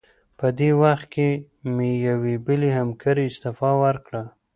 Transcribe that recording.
په دې وخت کې مې یوې بلې همکارې استعفا ورکړه.